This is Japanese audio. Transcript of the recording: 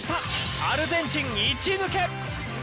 アルゼンチン１抜け。